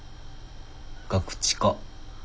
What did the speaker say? ガクチカ。